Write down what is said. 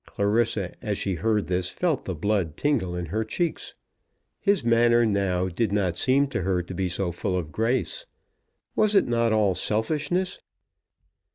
Clarissa, as she heard this, felt the blood tingle in her cheeks. His manner now did not seem to her to be so full of grace. Was it not all selfishness?